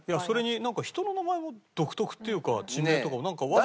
それになんか人の名前も独特っていうか地名とかなんか。